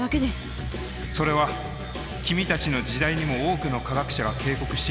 それは君たちの時代にも多くの科学者が警告していたはずだ。